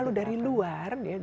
kalau dari luar